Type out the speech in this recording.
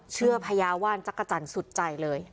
พญาว่านจักรจันทร์สุดใจเลย